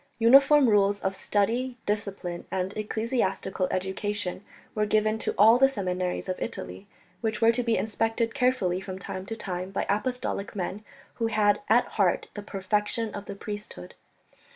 Uniform rules of study, discipline and ecclesiastical education were given to all the seminaries of Italy, which were to be inspected carefully from time to time by apostolic men, who had at heart the perfection of the priesthood.